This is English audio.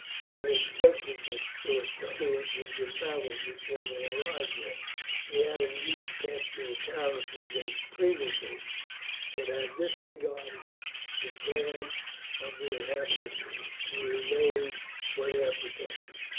They had expected that Suetonius would give battle before they arrived there. He had indeed passed through the town a few days previously, but had disregarded the prayers of the inhabitants to remain for their protection.